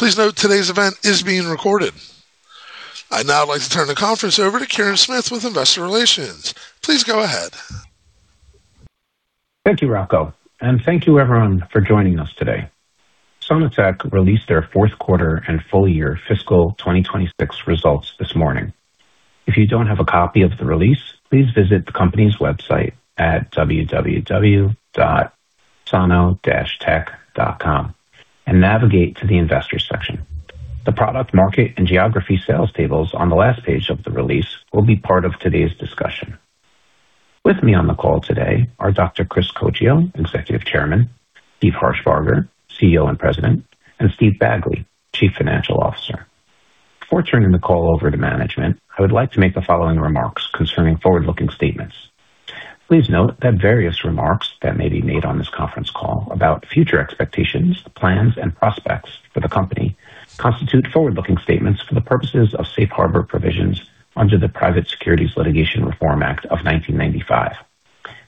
Please note today's event is being recorded. I'd now like to turn the conference over to Kirin Smith with Investor Relations. Please go ahead. Thank you, Rocco, and thank you everyone for joining us today. Sono-Tek released their fourth quarter and full year fiscal 2026 results this morning. If you don't have a copy of the release, please visit the company's website at www.sono-tek.com and navigate to the investors section. The product market and geography sales tables on the last page of the release will be part of today's discussion. With me on the call today are Dr. Chris Coccio, Executive Chairman, Steve Harshbarger, CEO and President, and Steve Bagley, Chief Financial Officer. Before turning the call over to management, I would like to make the following remarks concerning forward-looking statements. Please note that various remarks that may be made on this conference call about future expectations, plans and prospects for the company constitute forward-looking statements for the purposes of safe harbor provisions under the Private Securities Litigation Reform Act of 1995.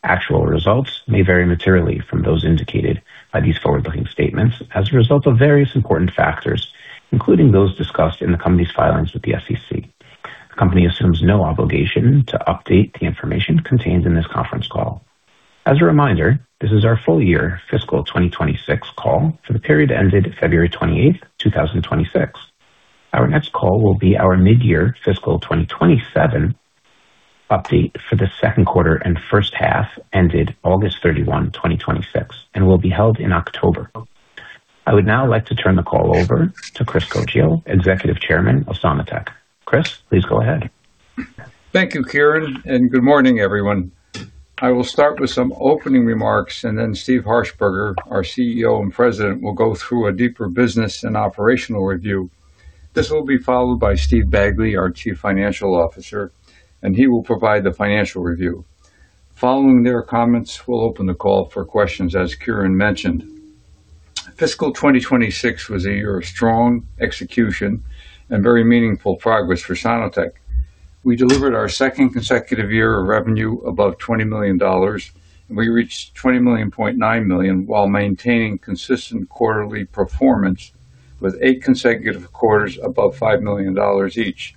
Actual results may vary materially from those indicated by these forward-looking statements as a result of various important factors, including those discussed in the company's filings with the SEC. The company assumes no obligation to update the information contained in this conference call. As a reminder, this is our full year fiscal 2026 call for the period ended February 28th, 2026. Our next call will be our mid-year fiscal 2027 update for the second quarter and first half ended August 31st, 2026, and will be held in October. I would now like to turn the call over to Chris Coccio, Executive Chairman of Sono-Tek. Chris, please go ahead. Thank you, Kirin, and good morning, everyone. I will start with some opening remarks, and then Steve Harshbarger, our CEO and President, will go through a deeper business and operational review. This will be followed by Steve Bagley, our Chief Financial Officer, and he will provide the financial review. Following their comments, we'll open the call for questions, as Kirin mentioned. Fiscal 2026 was a year of strong execution and very meaningful progress for Sono-Tek. We delivered our second consecutive year of revenue above $20 million. We reached $20.9 million while maintaining consistent quarterly performance with eight consecutive quarters above $5 million each.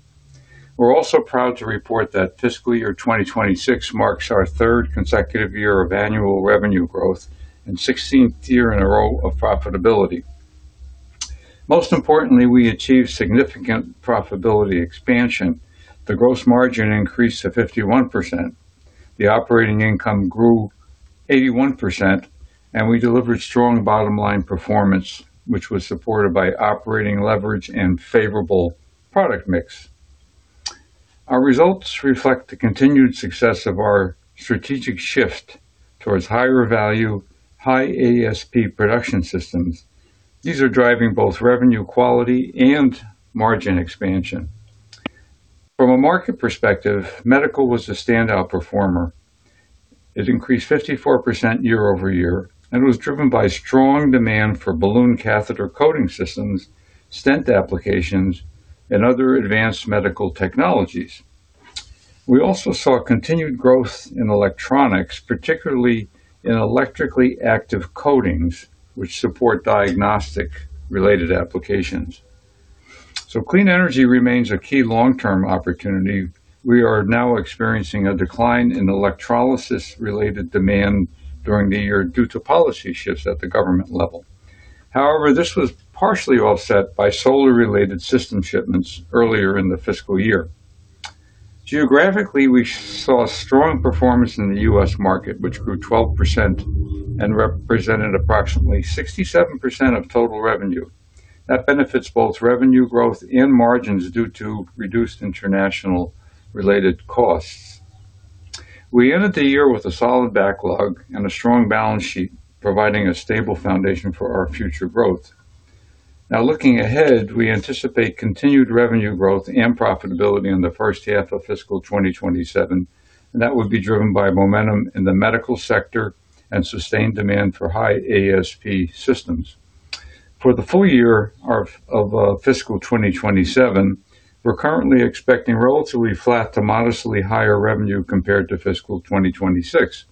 We're also proud to report that fiscal year 2026 marks our third consecutive year of annual revenue growth and 16th year in a row of profitability. Most importantly, we achieved significant profitability expansion. The gross margin increased to 51%. The operating income grew 81%, and we delivered strong bottom-line performance, which was supported by operating leverage and favorable product mix. Our results reflect the continued success of our strategic shift towards higher value, high ASP production systems. These are driving both revenue quality and margin expansion. From a market perspective, medical was the standout performer. It increased 54% year-over-year, and it was driven by strong demand for balloon catheter coating systems, stent applications, and other advanced medical technologies. We also saw continued growth in electronics, particularly in electrically active coatings, which support diagnostic-related applications. Clean energy remains a key long-term opportunity. We are now experiencing a decline in electrolysis-related demand during the year due to policy shifts at the government level. However, this was partially offset by solar-related system shipments earlier in the fiscal year. Geographically, we saw strong performance in the U.S. market, which grew 12% and represented approximately 67% of total revenue. That benefits both revenue growth and margins due to reduced international related costs. We ended the year with a solid backlog and a strong balance sheet, providing a stable foundation for our future growth. Looking ahead, we anticipate continued revenue growth and profitability in the first half of fiscal 2027, and that would be driven by momentum in the medical sector and sustained demand for high ASP systems. For the full year of fiscal 2027, we're currently expecting relatively flat to modestly higher revenue compared to fiscal 2026.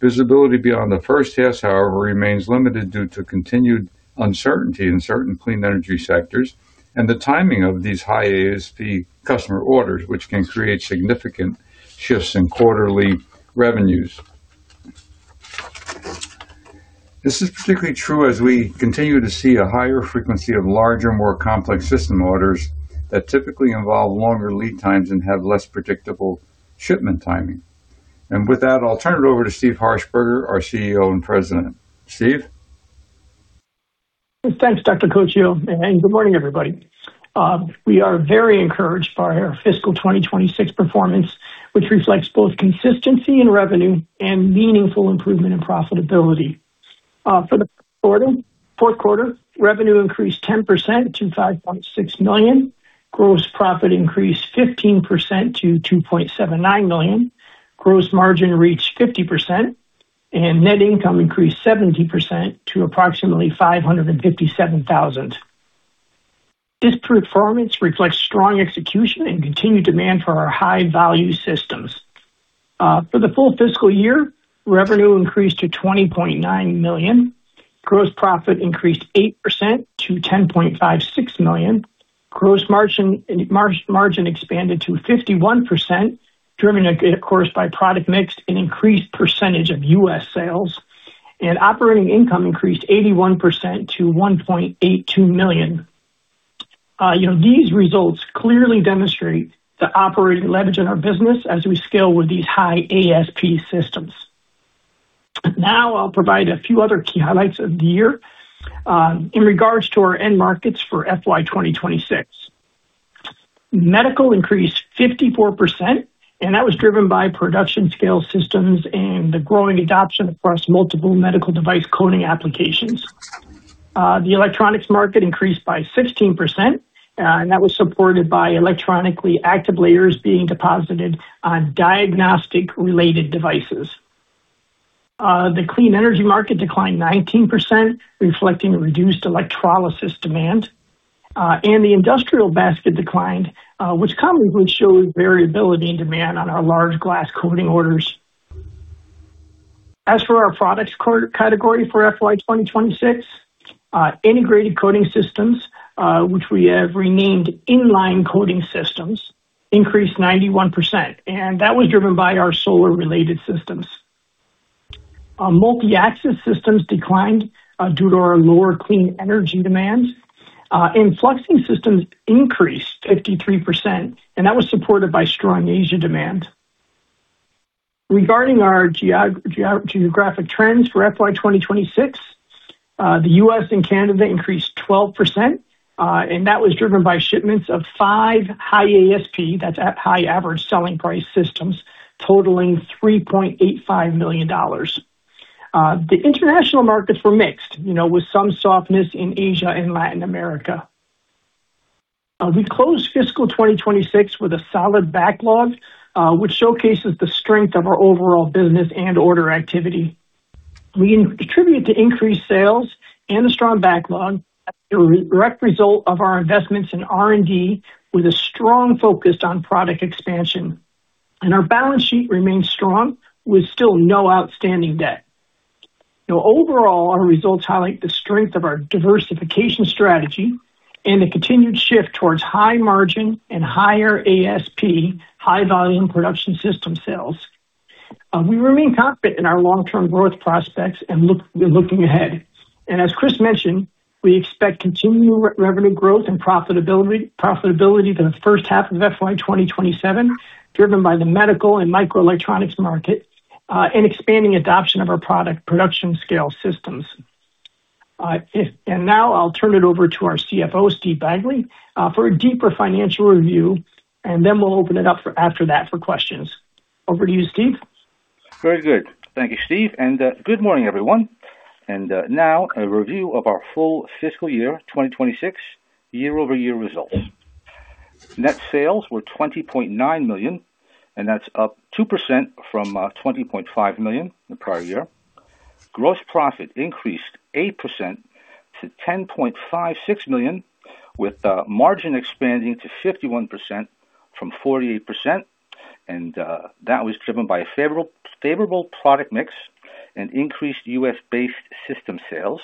Visibility beyond the first half, however, remains limited due to continued uncertainty in certain clean energy sectors and the timing of these high ASP customer orders, which can create significant shifts in quarterly revenues. This is particularly true as we continue to see a higher frequency of larger, more complex system orders that typically involve longer lead times and have less predictable shipment timing. With that, I'll turn it over to Steve Harshbarger, our CEO and President. Steve? Thanks, Dr. Coccio, and good morning, everybody. We are very encouraged by our fiscal 2026 performance, which reflects both consistency in revenue and meaningful improvement in profitability. For the fourth quarter, revenue increased 10% to $5.6 million. Gross profit increased 15% to $2.79 million. Gross margin reached 50%, and net income increased 70% to approximately $557,000. This performance reflects strong execution and continued demand for our high-value systems. For the full fiscal year, revenue increased to $20.9 million. Gross profit increased 8% to $10.56 million. Gross margin expanded to 51%, driven, of course, by product mix and increased percentage of U.S. sales. Operating income increased 81% to $1.82 million. These results clearly demonstrate the operating leverage in our business as we scale with these high ASP systems. Now I'll provide a few other key highlights of the year in regards to our end markets for FY 2026. Medical increased 54%. That was driven by production scale systems and the growing adoption across multiple medical device coating applications. The electronics market increased by 16%. That was supported by electrically active layers being deposited on diagnostic-related devices. The clean energy market declined 19%, reflecting a reduced electrolysis demand. The industrial basket declined, which commonly shows variability in demand on our large glass coating orders. As for our products category for FY 2026, integrated coating systems, which we have renamed inline coating systems, increased 91%. That was driven by our solar-related systems. Multi-Axis Systems declined due to our lower clean energy demands. Fluxing Systems increased 53%. That was supported by strong Asia demand. Regarding our geographic trends for FY 2026, the U.S. and Canada increased 12%. That was driven by shipments of five high ASP, that's high average selling price systems, totaling $3.85 million. The international markets were mixed, with some softness in Asia and Latin America. We closed fiscal 2026 with a solid backlog, which showcases the strength of our overall business and order activity. We attribute the increased sales and the strong backlog as a direct result of our investments in R&D, with a strong focus on product expansion. Our balance sheet remains strong, with still no outstanding debt. Now overall, our results highlight the strength of our diversification strategy and the continued shift towards high margin and higher ASP, high volume production system sales. We remain confident in our long-term growth prospects and looking ahead. As Chris mentioned, we expect continued revenue growth and profitability for the first half of FY 2027, driven by the medical and microelectronics market, and expanding adoption of our product production scale systems. Now I'll turn it over to our CFO, Steve Bagley, for a deeper financial review, and then we'll open it up after that for questions. Over to you, Steve. Very good. Thank you, Steve. Good morning, everyone. Now a review of our full fiscal year 2026 year-over-year results. Net sales were $20.9 million. That's up 2% from $20.5 million the prior year. Gross profit increased 8% to $10.56 million, with margin expanding to 51% from 48%. That was driven by a favorable product mix and increased U.S.-based system sales.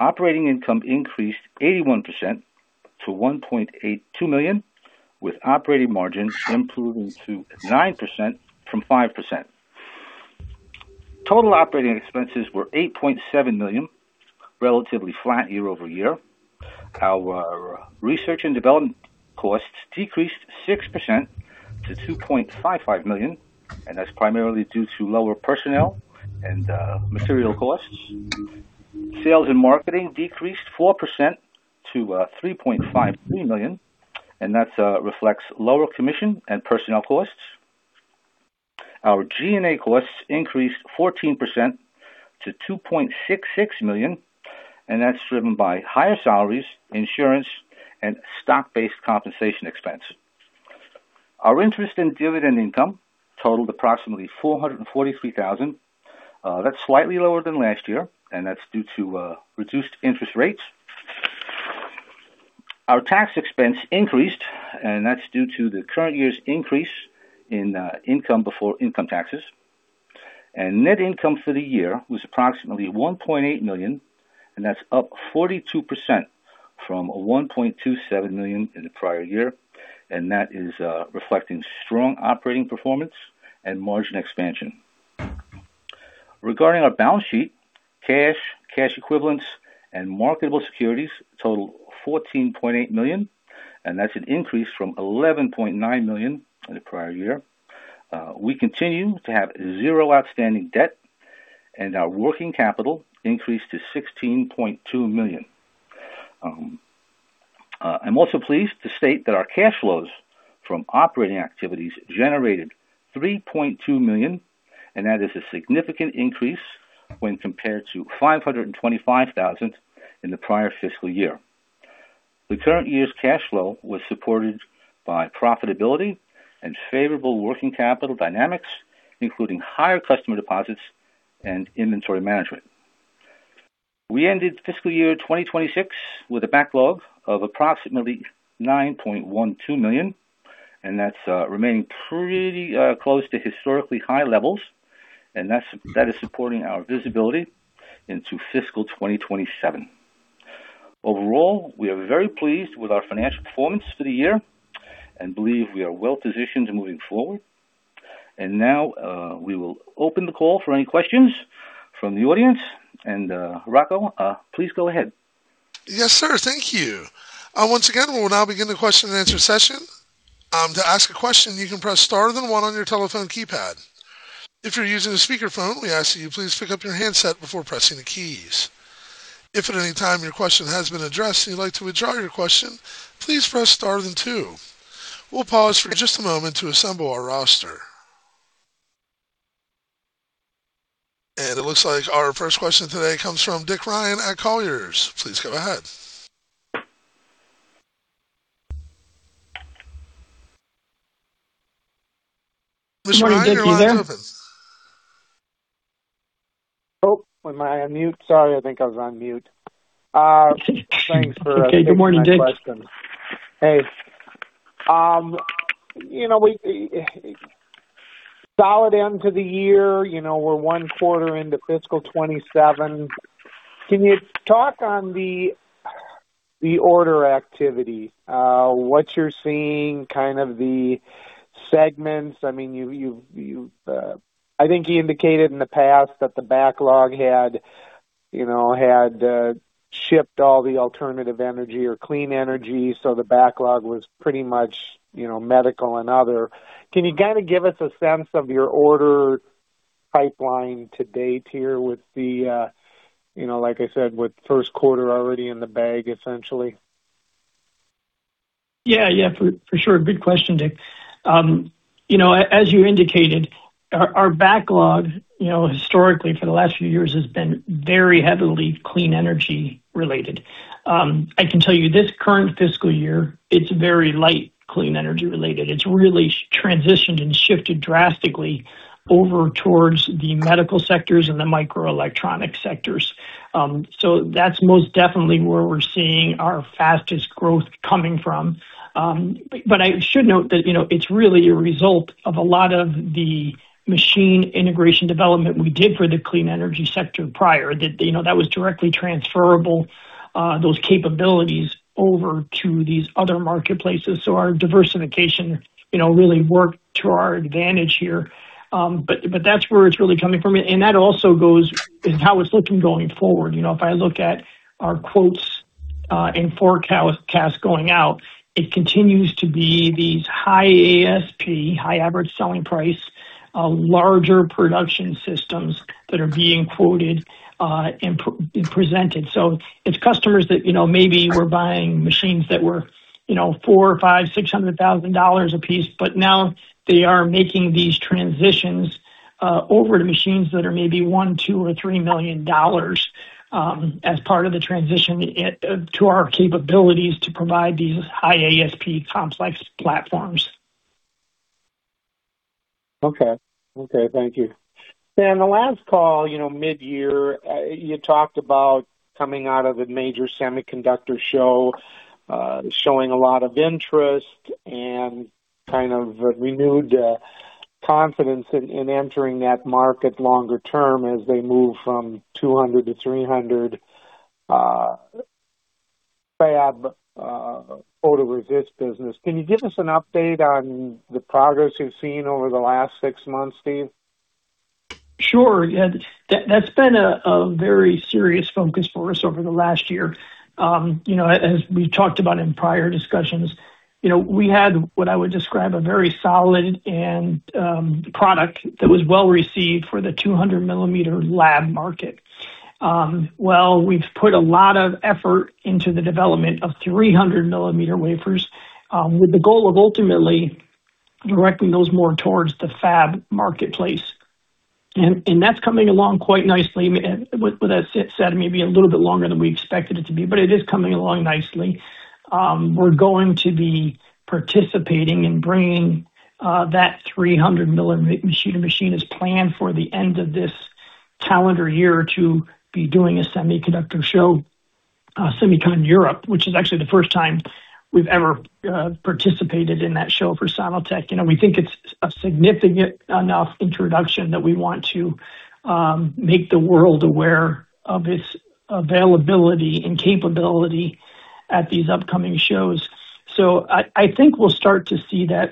Operating income increased 81% to $1.82 million, with operating margins improving to 9% from 5%. Total operating expenses were $8.7 million, relatively flat year-over-year. Our research and development costs decreased 6% to $2.55 million. That's primarily due to lower personnel and material costs. Sales and marketing decreased 4% to $3.53 million. That reflects lower commission and personnel costs. Our G&A costs increased 14% to $2.66 million. That's driven by higher salaries, insurance, and stock-based compensation expense. Our interest and dividend income totaled approximately $443,000. That's slightly lower than last year, that's due to reduced interest rates. Our tax expense increased, that's due to the current year's increase in income before income taxes. Net income for the year was approximately $1.8 million, that's up 42% from $1.27 million in the prior year. That is reflecting strong operating performance and margin expansion. Regarding our balance sheet, cash equivalents, and marketable securities totaled $14.8 million, that's an increase from $11.9 million in the prior year. We continue to have zero outstanding debt, our working capital increased to $16.2 million. I'm also pleased to state that our cash flows from operating activities generated $3.2 million, that is a significant increase when compared to $525,000 in the prior fiscal year. The current year's cash flow was supported by profitability and favorable working capital dynamics, including higher customer deposits and inventory management. We ended fiscal year 2026 with a backlog of approximately $9.12 million. That's remaining pretty close to historically high levels, and that is supporting our visibility into fiscal 2027. Overall, we are very pleased with our financial performance for the year and believe we are well-positioned moving forward. Now, we will open the call for any questions from the audience. Rocco, please go ahead. Yes, sir. Thank you. Once again, we will now begin the question and answer session. To ask a question, you can press star then one on your telephone keypad. If you're using a speakerphone, we ask that you please pick up your handset before pressing the keys. If at any time your question has been addressed and you'd like to withdraw your question, please press star then two. We'll pause for just a moment to assemble our roster. It looks like our first question today comes from Dick Ryan at Colliers. Please go ahead. Mr. Ryan, you're on conference. Oh, was I on mute? Sorry, I think I was on mute. Thanks for taking my question. Okay. Good morning, Dick. Hey. Solid end to the year, we're one quarter into fiscal 2027. Can you talk on the order activity, what you're seeing, kind of the segments? I think you indicated in the past that the backlog had shipped all the alternative energy or clean energy, so the backlog was pretty much medical and other. Can you kind of give us a sense of your order pipeline to date here with the, like I said, with the first quarter already in the bag, essentially? Yeah, for sure. Good question, Dick. As you indicated, our backlog historically for the last few years has been very heavily clean energy related. I can tell you this current fiscal year, it's very light clean energy related. It's really transitioned and shifted drastically over towards the medical sectors and the microelectronic sectors. That's most definitely where we're seeing our fastest growth coming from. I should note that it's really a result of a lot of the machine integration development we did for the clean energy sector prior, that was directly transferable, those capabilities, over to these other marketplaces. Our diversification really worked to our advantage here. That's where it's really coming from, and that also goes with how it's looking going forward. If I look at our quotes and forecast going out, it continues to be these high ASP, high average selling price, larger production systems that are being quoted and presented. It's customers that maybe were buying machines that were $400,000, $500,000, $600,000 a piece, but now they are making these transitions over to machines that are maybe $1 million, $2 million, or $3 million as part of the transition to our capabilities to provide these high ASP complex platforms. Okay. Thank you. The last call, midyear, you talked about coming out of a major semiconductor show, showing a lot of interest and kind of a renewed confidence in entering that market longer term as they move from 200 to 300 fab photoresist business. Can you give us an update on the progress you've seen over the last six months, Steve? Sure. That's been a very serious focus for us over the last year. As we talked about in prior discussions, we had what I would describe a very solid product that was well received for the 200 mm lab market. Well, we've put a lot of effort into the development of 300 mm wafers, with the goal of ultimately directing those more towards the fab marketplace. That's coming along quite nicely. With that said, maybe a little bit longer than we expected it to be. It is coming along nicely. We're going to be participating and bringing that 300 mm machine as planned for the end of this calendar year to be doing a semiconductor show, SEMICON Europa, which is actually the first time we've ever participated in that show for Sono-Tek. We think it's a significant enough introduction that we want to make the world aware of its availability and capability at these upcoming shows. I think we'll start to see that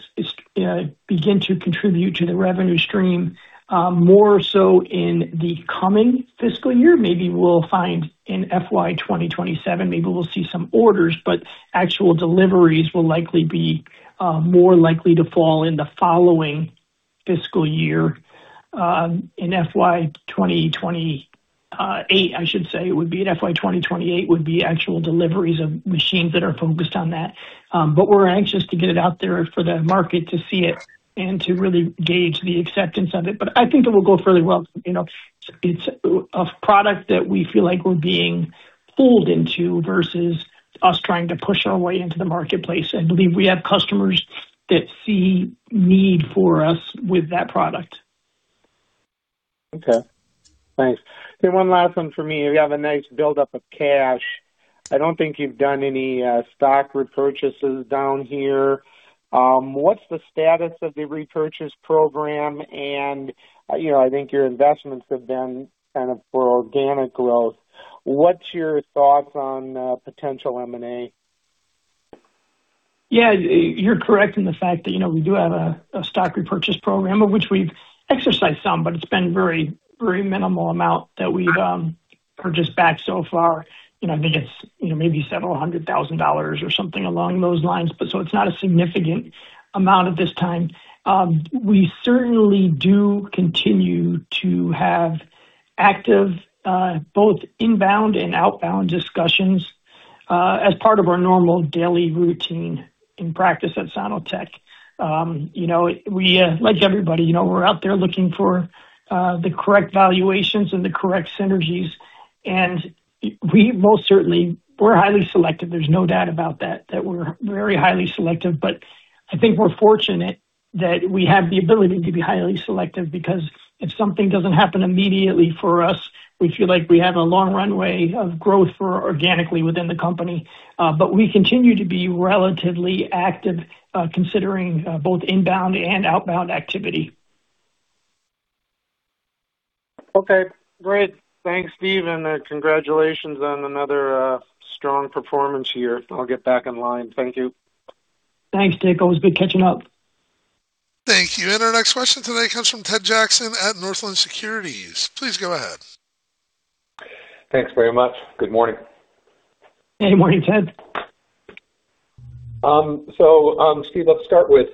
begin to contribute to the revenue stream more so in the coming fiscal year. Maybe we'll find in FY 2027, maybe we'll see some orders, but actual deliveries will likely be more likely to fall in the following fiscal year, in FY 2028, I should say. It would be in FY 2028 would be actual deliveries of machines that are focused on that. We're anxious to get it out there for the market to see it and to really gauge the acceptance of it. I think it will go fairly well. It's a product that we feel like we're being pulled into versus us trying to push our way into the marketplace. I believe we have customers that see need for us with that product. Okay, thanks. One last one for me. You have a nice buildup of cash. I don't think you've done any stock repurchases down here. What's the status of the repurchase program? I think your investments have been kind of for organic growth. What's your thoughts on potential M&A? Yeah, you're correct in the fact that we do have a stock repurchase program, of which we've exercised some, but it's been very minimal amount that we've purchased back so far. I think it's maybe several hundred thousand dollars or something along those lines. It's not a significant amount at this time. We certainly do continue to have active both inbound and outbound discussions as part of our normal daily routine in practice at Sono-Tek. Like everybody, we're out there looking for the correct valuations and the correct synergies, and we most certainly, we're highly selective. There's no doubt about that, we're very highly selective. I think we're fortunate that we have the ability to be highly selective, because if something doesn't happen immediately for us, we feel like we have a long runway of growth for organically within the company. We continue to be relatively active considering both inbound and outbound activity. Okay, great. Thanks, Steve. Congratulations on another strong performance here. I'll get back in line. Thank you. Thanks, Dick. Always good catching up. Thank you. Our next question today comes from Ted Jackson at Northland Securities. Please go ahead. Thanks very much. Good morning. Hey. Morning, Ted. Steve, let's start with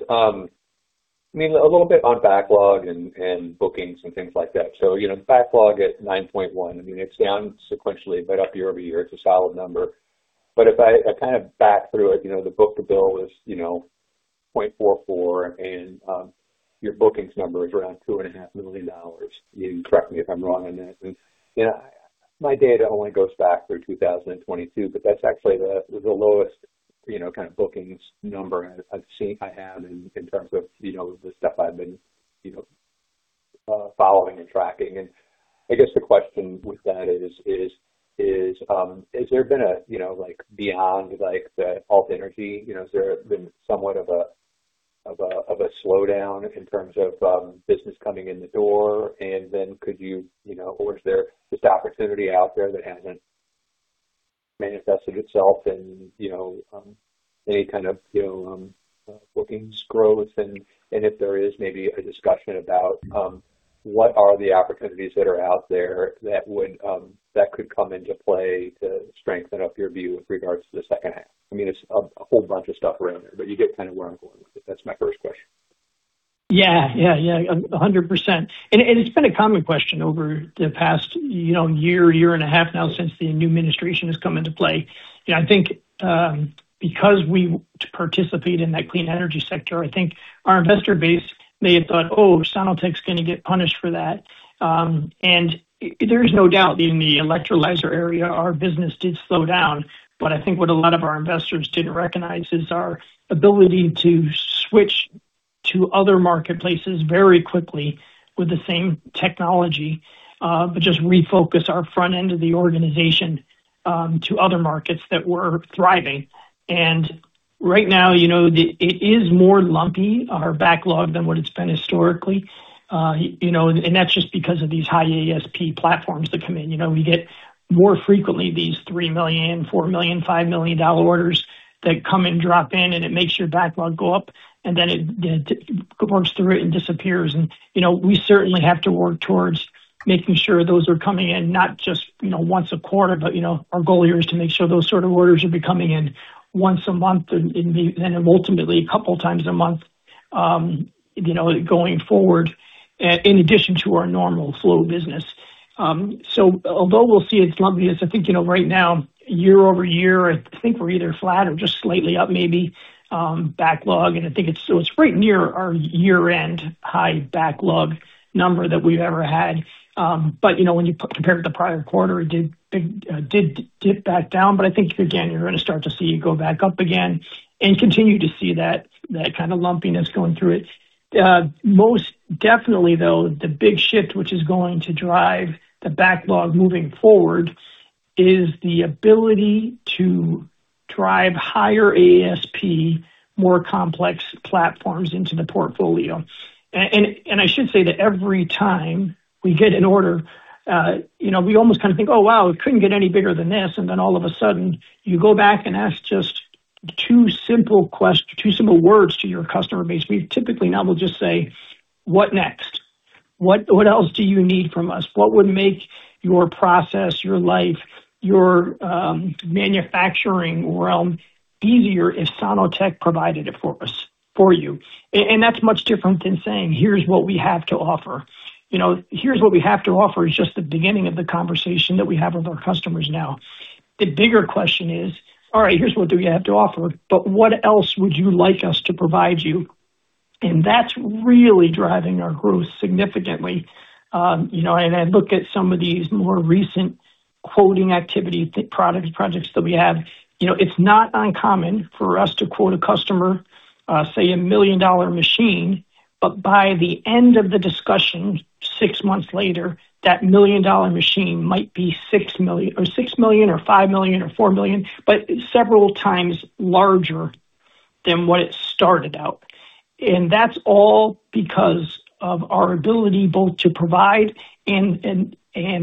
a little bit on backlog and bookings and things like that. Backlog at $9.1 million. It's down sequentially, but up year-over-year. It's a solid number. If I kind of back through it, the book-to-bill was 0.44, and your bookings number is around $2.5 million. You can correct me if I'm wrong on that. My data only goes back through 2022, that's actually the lowest kind of bookings number I have in terms of the stuff I've been following and tracking. I guess the question with that is has there been a like beyond like the alt energy, has there been somewhat of a slowdown in terms of business coming in the door? Or is there this opportunity out there that hasn't manifested itself in any kind of bookings growth? If there is maybe a discussion about what are the opportunities that are out there that could come into play to strengthen up your view with regards to the second act. It's a whole bunch of stuff around there, but you get kind of where I'm going with it. That's my first question. Yeah. 100%. It's been a common question over the past year and a half now since the new administration has come into play. I think because we participate in that clean energy sector, I think our investor base may have thought, "Oh, Sono-Tek's going to get punished for that." There's no doubt in the electrolyzer area, our business did slow down. I think what a lot of our investors didn't recognize is our ability to switch to other marketplaces very quickly with the same technology, but just refocus our front end of the organization to other markets that were thriving. Right now, it is more lumpy, our backlog, than what it's been historically. That's just because of these high ASP platforms that come in. We get more frequently these $3 million, $4 million, $5 million orders that come and drop in. It makes your backlog go up, and then it works through it and disappears. We certainly have to work towards making sure those are coming in, not just once a quarter, but our goal here is to make sure those sort of orders will be coming in once a month, and then ultimately a couple times a month going forward in addition to our normal flow of business. Although we'll see it's lumpiness, I think right now, year-over-year, I think we're either flat or just slightly up maybe backlog. I think it's right near our year-end high backlog number that we've ever had. When you compare it to prior quarter, it did dip back down. I think again, you're going to start to see it go back up again and continue to see that kind of lumpiness going through it. Most definitely, though, the big shift, which is going to drive the backlog moving forward, is the ability to drive higher ASP, more complex platforms into the portfolio. I should say that every time we get an order, we almost kind of think, "Oh, wow, it couldn't get any bigger than this." Then all of a sudden, you go back and ask just two simple words to your customer base. We typically now will just say, "What next? What else do you need from us? What would make your process, your life, your manufacturing realm easier if Sono-Tek provided it for you?" That's much different than saying, "Here's what we have to offer." Here's what we have to offer is just the beginning of the conversation that we have with our customers now. The bigger question is, all right, here's what we have to offer, but what else would you like us to provide you? That's really driving our growth significantly. I look at some of these more recent quoting activity, projects that we have. It's not uncommon for us to quote a customer, say a million-dollar machine, but by the end of the discussion, six months later, that million-dollar machine might be $6 million or $5 million or $4 million, but several times larger than what it started out. That's all because of our ability both to provide and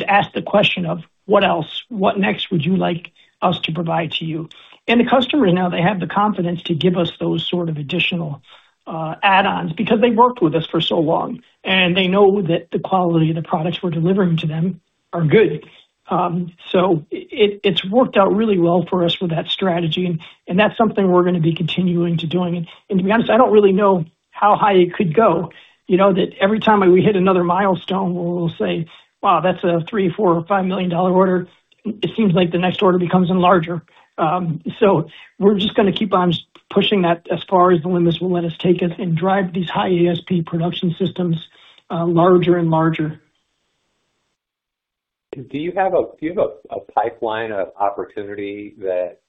ask the question of, "What else? What next would you like us to provide to you?" The customer, now they have the confidence to give us those sort of additional add-ons because they've worked with us for so long, and they know that the quality of the products we're delivering to them are good. It's worked out really well for us with that strategy, and that's something we're going to be continuing to doing. To be honest, I don't really know how high it could go. That every time we hit another milestone where we'll say, "Wow, that's a $3 million, $4 million, or $5 million order," it seems like the next order becomes even larger. We're just going to keep on pushing that as far as the limits will let us take us and drive these high ASP production systems larger and larger. Do you have a pipeline of opportunity that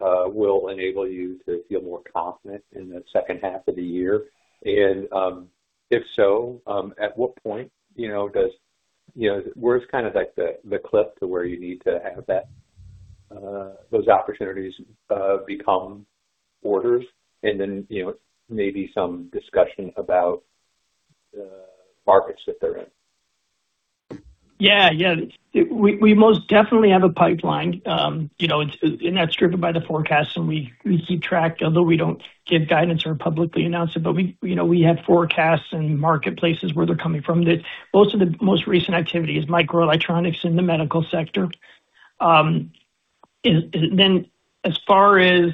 will enable you to feel more confident in the second half of the year? If so, at what point where's kind of like the cliff to where you need to have those opportunities become orders, and then maybe some discussion about the markets that they're in? We most definitely have a pipeline, and that's driven by the forecast, and we keep track, although we don't give guidance or publicly announce it, but we have forecasts and marketplaces where they're coming from. Most of the most recent activity is microelectronics in the medical sector. As far as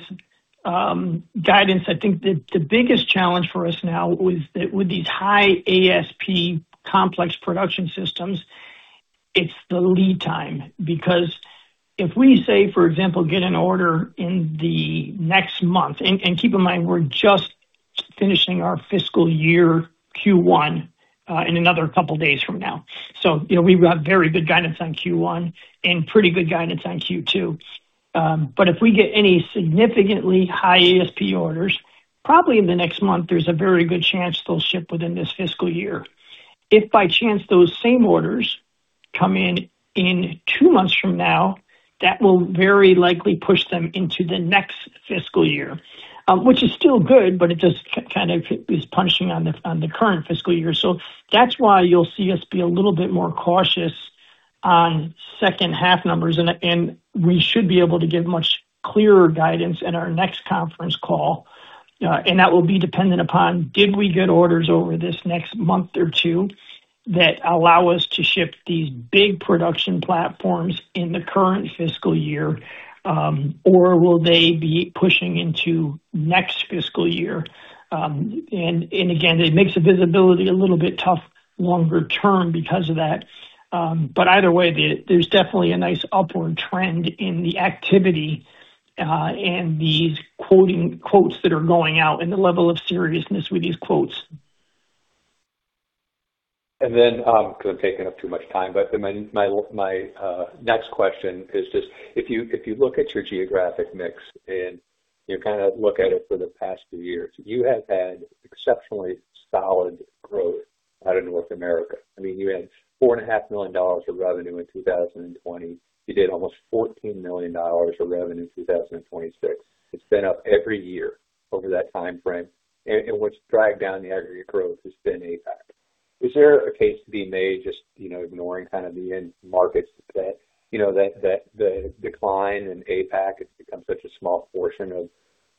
guidance, I think the biggest challenge for us now with these high ASP complex production systems, it's the lead time. If we say, for example, get an order in the next month, and keep in mind, we're just finishing our fiscal year Q1 in another couple of days from now. We've got very good guidance on Q1 and pretty good guidance on Q2. If we get any significantly high ASP orders, probably in the next month, there's a very good chance they'll ship within this fiscal year. If by chance those same orders come in in two months from now, that will very likely push them into the next fiscal year, which is still good, but it just kind of is punishing on the current fiscal year. That's why you'll see us be a little bit more cautious on second half numbers, and we should be able to give much clearer guidance in our next conference call. That will be dependent upon, did we get orders over this next month or two that allow us to ship these big production platforms in the current fiscal year? Or will they be pushing into next fiscal year? Again, it makes the visibility a little bit tough longer term because of that. Either way, there's definitely a nice upward trend in the activity, and these quotes that are going out and the level of seriousness with these quotes. Because I'm taking up too much time, my next question is just if you look at your geographic mix and you kind of look at it for the past few years, you have had exceptionally solid growth out of North America. You had $4.5 million of revenue in 2020. You did almost $14 million of revenue in 2026. It's been up every year over that time frame. What's dragged down the aggregate growth has been APAC. Is there a case to be made just ignoring kind of the end markets that the decline in APAC has become such a small portion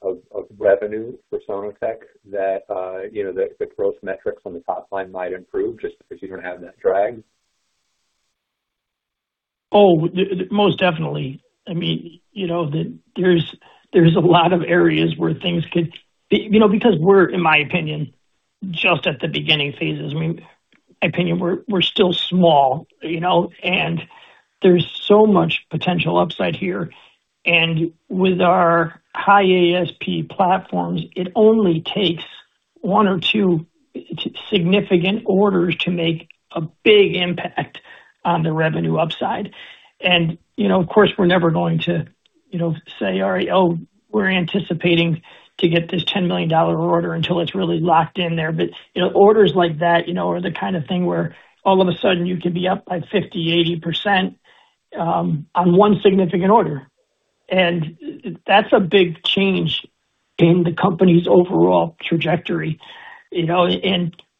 of revenue for Sono-Tek that the growth metrics on the top line might improve just because you don't have that drag? Most definitely. There's a lot of areas where because we're, in my opinion, just at the beginning phases. My opinion, we're still small, there's so much potential upside here. With our high ASP platforms, it only takes one or two significant orders to make a big impact on the revenue upside. Of course, we're never going to say, "All right. We're anticipating to get this $10 million order," until it's really locked in there. Orders like that are the kind of thing where all of a sudden you could be up by 50%-80% on one significant order. That's a big change in the company's overall trajectory.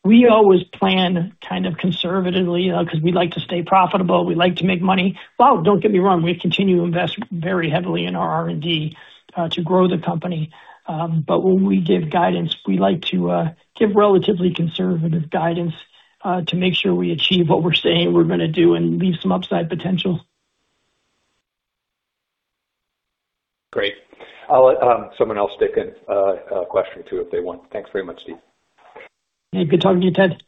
We always plan kind of conservatively because we like to stay profitable. We like to make money. Well, don't get me wrong, we continue to invest very heavily in our R&D to grow the company. When we give guidance, we like to give relatively conservative guidance, to make sure we achieve what we're saying we're going to do and leave some upside potential. Great. I'll let someone else stick in a question, too, if they want. Thanks very much, Steve. Yeah. Good talking to you, Ted.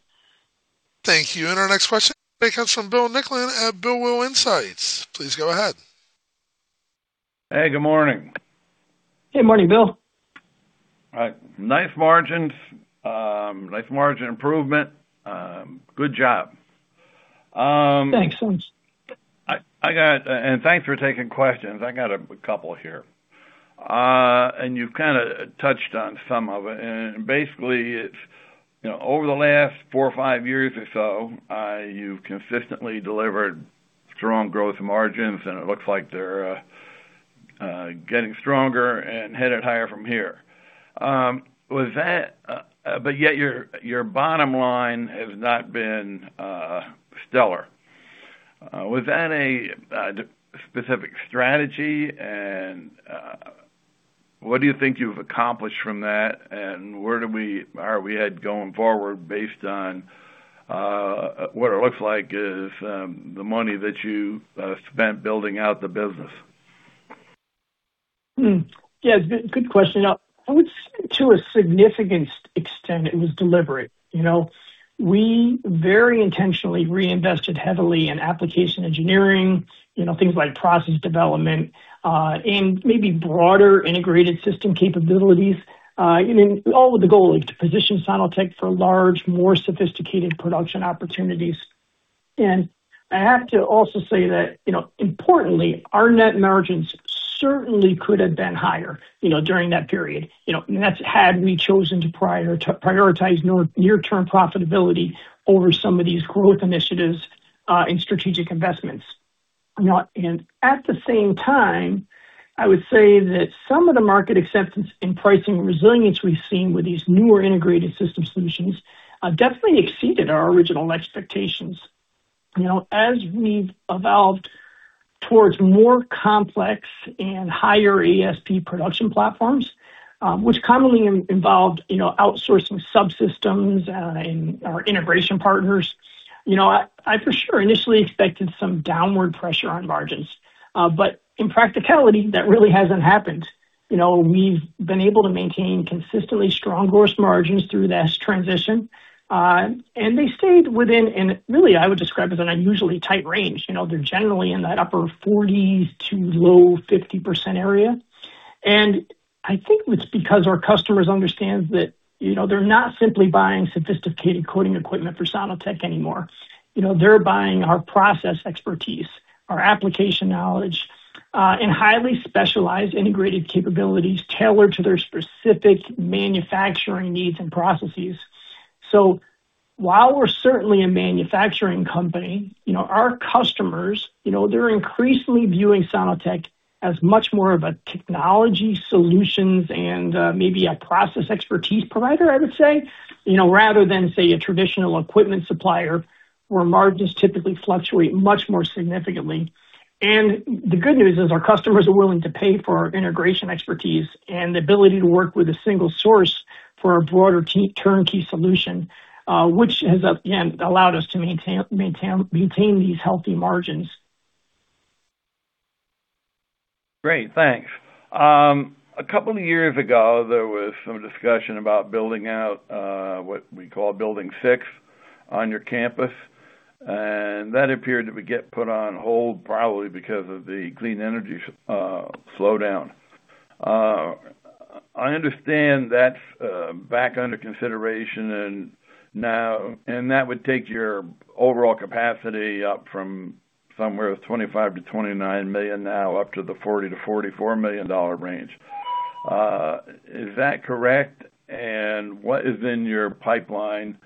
Thank you. Our next question comes from Bill Nicklin at Bill Will Insights. Please go ahead. Hey, good morning. Hey, morning, Bill. All right. Nice margins. Nice margin improvement. Good job. Thanks. Thanks for taking questions. I got a couple here. You've kind of touched on some of it, and basically it's, over the last four or five years or so, you've consistently delivered strong growth margins, and it looks like they're getting stronger and headed higher from here. Yet your bottom line has not been stellar. Was that a specific strategy, and what do you think you've accomplished from that, and where are we headed going forward based on what it looks like is the money that you spent building out the business? Yeah, good question. I would say, to a significant extent, it was deliberate. We very intentionally reinvested heavily in application engineering, things like process development, and maybe broader integrated system capabilities, all with the goal to position Sono-Tek for large, more sophisticated production opportunities. I have to also say that, importantly, our net margins certainly could have been higher during that period had we chosen to prioritize near-term profitability over some of these growth initiatives, and strategic investments. At the same time, I would say that some of the market acceptance and pricing resilience we've seen with these newer integrated system solutions definitely exceeded our original expectations. As we've evolved towards more complex and higher ASP production platforms, which commonly involved outsourcing subsystems and our integration partners, I for sure initially expected some downward pressure on margins. In practicality, that really hasn't happened. We've been able to maintain consistently strong gross margins through this transition. They stayed within, and really I would describe as an unusually tight range. They're generally in that upper 40% to low 50% area. I think it's because our customers understand that they're not simply buying sophisticated coating equipment for Sono-Tek anymore. They're buying our process expertise, our application knowledge, and highly specialized integrated capabilities tailored to their specific manufacturing needs and processes. While we're certainly a manufacturing company, our customers, they're increasingly viewing Sono-Tek as much more of a technology solutions and maybe a process expertise provider, I would say, rather than, say, a traditional equipment supplier, where margins typically fluctuate much more significantly. The good news is our customers are willing to pay for our integration expertise and the ability to work with a single source for a broader turnkey solution, which has, again, allowed us to maintain these healthy margins. Great, thanks. A couple of years ago, there was some discussion about building out what we call building six on your campus. That appeared to get put on hold probably because of the clean energy slowdown. I understand that's back under consideration now, and that would take your overall capacity up from somewhere of $25 million-$29 million now up to the $40 million-$44 million range. Is that correct? What is in your pipeline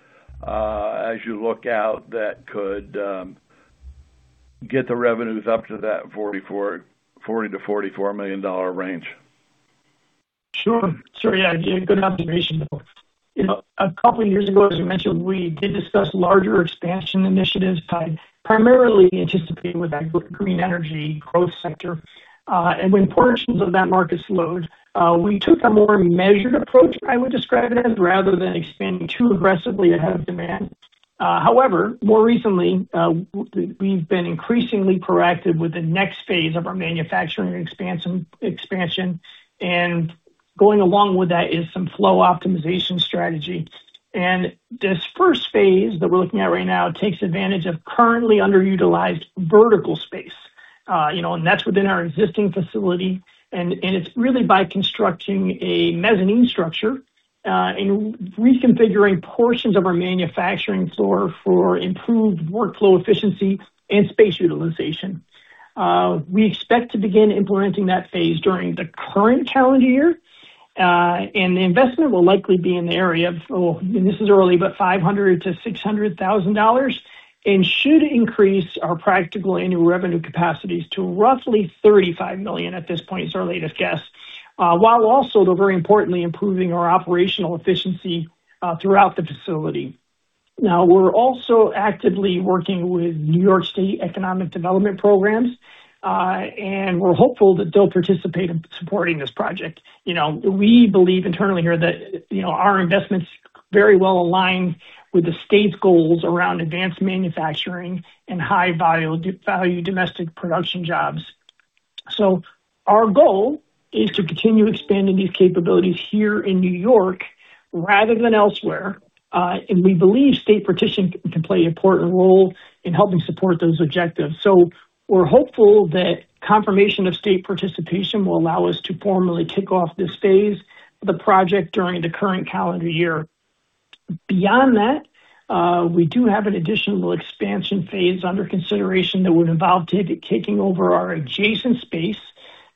as you look out that could get the revenues up to that $40 million-$44 million range? Sure. Yeah. Good observation, Bill. A couple of years ago, as you mentioned, we did discuss larger expansion initiatives tied primarily anticipating with that green energy growth sector. When portions of that market slowed, we took a more measured approach, I would describe it as, rather than expanding too aggressively ahead of demand. However, more recently, we've been increasingly proactive with the next phase of our manufacturing expansion, and going along with that is some flow optimization strategy. This first phase that we're looking at right now takes advantage of currently underutilized vertical space. That's within our existing facility, and it's really by constructing a mezzanine structure, and reconfiguring portions of our manufacturing floor for improved workflow efficiency and space utilization. We expect to begin implementing that phase during the current calendar year. The investment will likely be in the area of, and this is early, but $500,000-$600,000, and should increase our practical annual revenue capacities to roughly $35 million at this point is our latest guess. While also, though very importantly, improving our operational efficiency throughout the facility. Now, we're also actively working with New York State economic development programs. We're hopeful that they'll participate in supporting this project. We believe internally here that our investments very well align with the state's goals around advanced manufacturing and high-value domestic production jobs. Our goal is to continue expanding these capabilities here in New York rather than elsewhere. We believe state participation can play an important role in helping support those objectives. We're hopeful that confirmation of state participation will allow us to formally kick off this phase of the project during the current calendar year. Beyond that, we do have an additional expansion phase under consideration that would involve taking over our adjacent space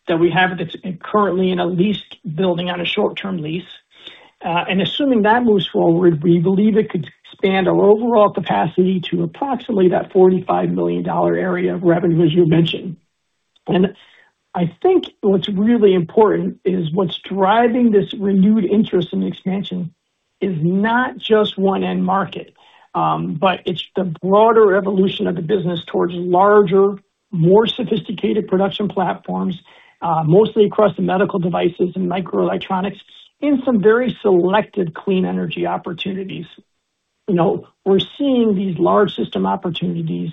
that we have that's currently in a leased building on a short-term lease. Assuming that moves forward, we believe it could expand our overall capacity to approximately that $45 million area of revenue, as you mentioned. I think what's really important is what's driving this renewed interest in expansion is not just one end market, but it's the broader evolution of the business towards larger, more sophisticated production platforms, mostly across the medical devices and microelectronics in some very selected clean energy opportunities. We're seeing these large system opportunities,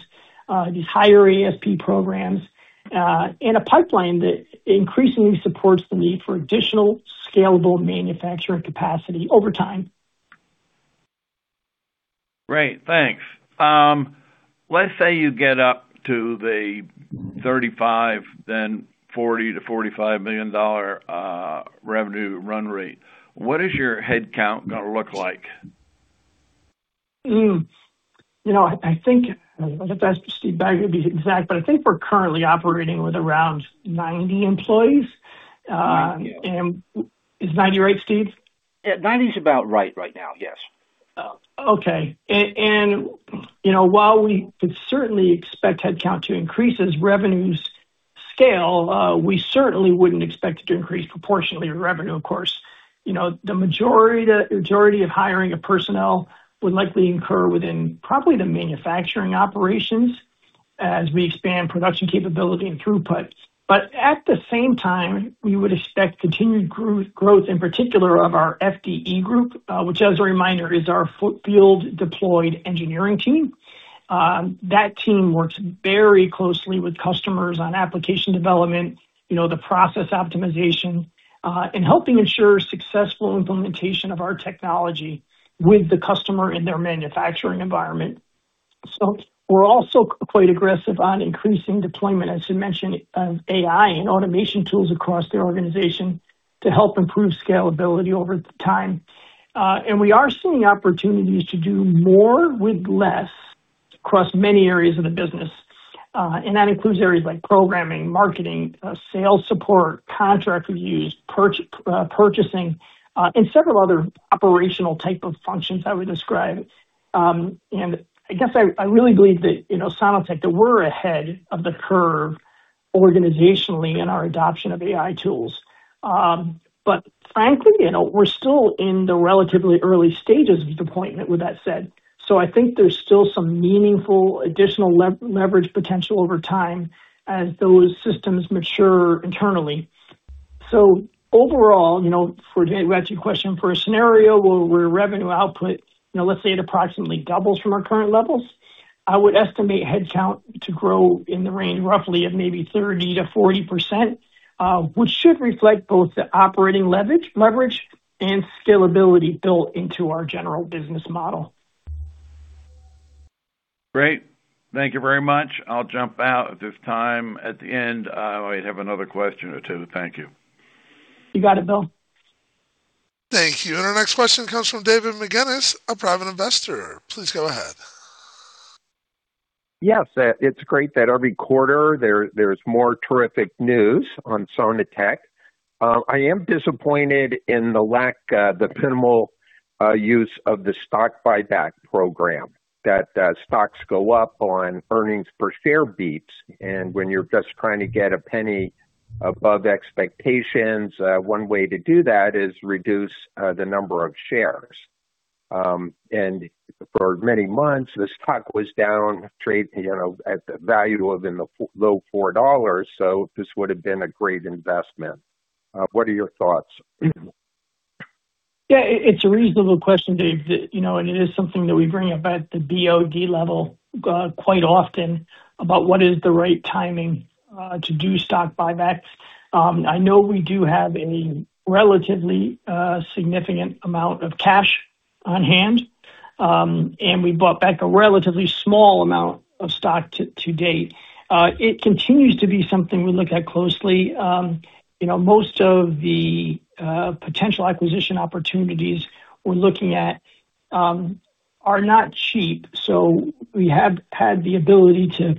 these higher ASP programs, and a pipeline that increasingly supports the need for additional scalable manufacturing capacity over time. Great, thanks. Let's say you get up to the $35 million, then $40 million-$45 million revenue run rate. What is your headcount going to look like? I think, I'll leave that to Steve Bagley to be exact, but I think we're currently operating with around 90 employees. Thank you. Is 90 right, Steve? Yeah, 90 is about right now. Yes. Okay. While we could certainly expect headcount to increase as revenues scale, we certainly wouldn't expect it to increase proportionally with revenue, of course. The majority of hiring of personnel would likely incur within probably the manufacturing operations as we expand production capability and throughput. At the same time, we would expect continued growth, in particular, of our FDE group, which, as a reminder, is our Field Deployed Engineering team. That team works very closely with customers on application development, the process optimization, and helping ensure successful implementation of our technology with the customer in their manufacturing environment. We're also quite aggressive on increasing deployment, as you mentioned, of AI and automation tools across the organization to help improve scalability over time. We are seeing opportunities to do more with less across many areas of the business. That includes areas like programming, marketing, sales support, contract reviews, purchasing, and several other operational type of functions, I would describe. I guess I really believe that Sono-Tek, that we're ahead of the curve organizationally in our adoption of AI tools. Frankly, we're still in the relatively early stages of deployment with that said. I think there's still some meaningful additional leverage potential over time as those systems mature internally. Overall, to answer your question, for a scenario where revenue output, let's say it approximately doubles from our current levels, I would estimate headcount to grow in the range roughly of maybe 30%-40%, which should reflect both the operating leverage and scalability built into our general business model. Great. Thank you very much. I'll jump out at this time. At the end, I might have another question or two. Thank you. You got it, Bill. Thank you. Our next question comes from David McGinnis, a Private Investor. Please go ahead. Yes. It's great that every quarter there's more terrific news on Sono-Tek. I am disappointed in the lack, the minimal use of the stock buyback program, that stocks go up on earnings per share beats. When you're just trying to get a penny above expectations, one way to do that is reduce the number of shares. For many months, the stock was down, trading at the value within the low $4, so this would have been a great investment. What are your thoughts? Yeah, it's a reasonable question, David, and it is something that we bring up at the BOD level quite often about what is the right timing to do stock buybacks. I know we do have a relatively significant amount of cash on hand. We bought back a relatively small amount of stock to date. It continues to be something we look at closely. Most of the potential acquisition opportunities we're looking at are not cheap, so we have had the ability to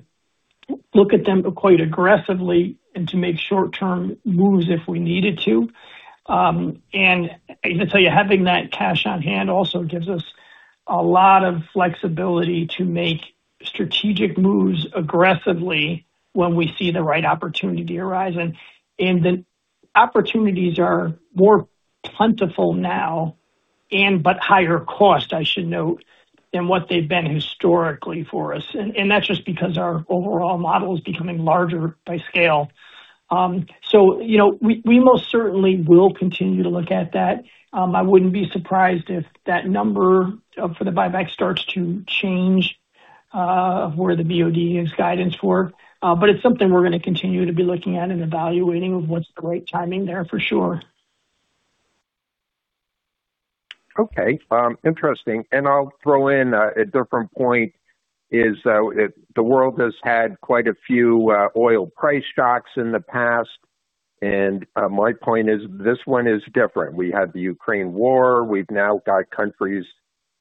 look at them quite aggressively and to make short-term moves if we needed to. As I tell you, having that cash on hand also gives us a lot of flexibility to make strategic moves aggressively when we see the right opportunity arise. The opportunities are more plentiful now, but higher cost, I should note, than what they've been historically for us. That's just because our overall model is becoming larger by scale. We most certainly will continue to look at that. I wouldn't be surprised if that number for the buyback starts to change of where the BOD gives guidance for. It's something we're going to continue to be looking at and evaluating of what's the right timing there, for sure. Okay. Interesting. I'll throw in a different point is, the world has had quite a few oil price shocks in the past, and my point is, this one is different. We had the Ukraine war. We've now got countries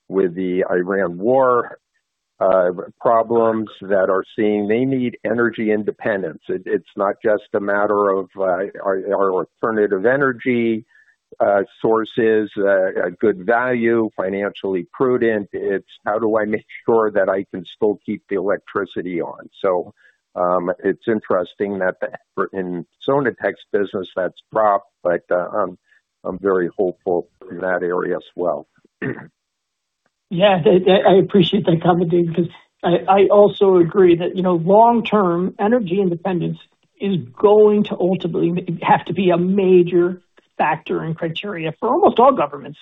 with the Iran war, problems that are seeing they need energy independence. It's not just a matter of are alternative energy sources a good value, financially prudent? It's how do I make sure that I can still keep the electricity on? It's interesting that in Sono-Tek's business that's dropped, but I'm very hopeful in that area as well. Yeah. I appreciate that comment, David, because I also agree that long-term energy independence is going to ultimately have to be a major factor and criteria for almost all governments.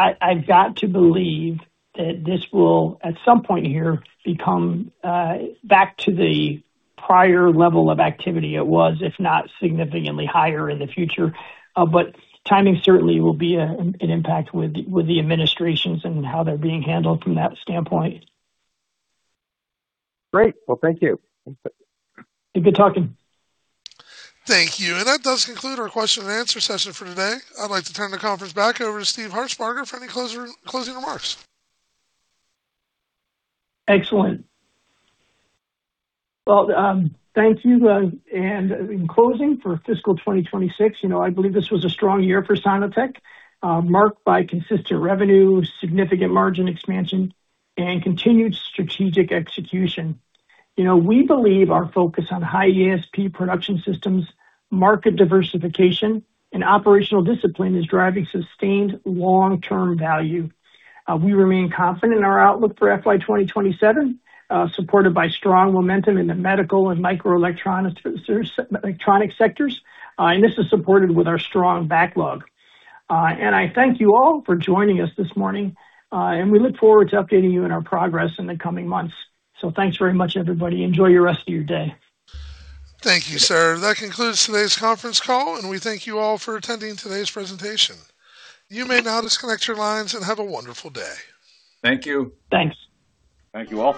I've got to believe that this will, at some point here, become back to the prior level of activity it was, if not significantly higher in the future. Timing certainly will be an impact with the administrations and how they're being handled from that standpoint. Great. Well, thank you. Good talking. Thank you. That does conclude our question and answer session for today. I'd like to turn the conference back over to Steve Harshbarger for any closing remarks. Excellent. Well, thank you. In closing, for fiscal 2026, I believe this was a strong year for Sono-Tek, marked by consistent revenue, significant margin expansion, and continued strategic execution. We believe our focus on high ASP production systems, market diversification, and operational discipline is driving sustained long-term value. We remain confident in our outlook for FY 2027, supported by strong momentum in the medical and microelectronic sectors, and this is supported with our strong backlog. I thank you all for joining us this morning, and we look forward to updating you on our progress in the coming months. Thanks very much, everybody. Enjoy your rest of your day. Thank you, sir. That concludes today's conference call, and we thank you all for attending today's presentation. You may now disconnect your lines and have a wonderful day. Thank you. Thanks. Thank you all.